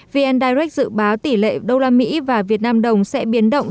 vn direct dự báo tỷ lệ đô la mỹ và việt nam đồng sẽ biến động